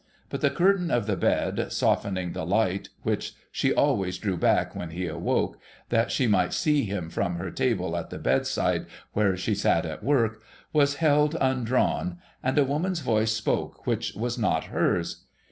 But the curtain of the bed, softening the light, which 78 THE SEVEN POOR TRAVELLERS she always drew back when he awoke, that she might see him from her table at the bedside where she sat at work, was held undrawn • and a woman's voice spoke, which was not hers.